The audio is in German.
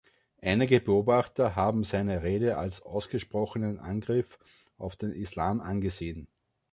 Einige Beobachter haben seine Rede als ausgesprochenen Angriff auf den Islam angesehen.